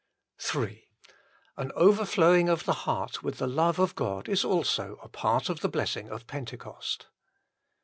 Ill An overflowing of the heart with the love of God is also a part of the blessing of Pentecost.